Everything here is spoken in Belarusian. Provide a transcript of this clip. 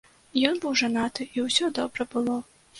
Ён быў жанаты і ўсё добра было.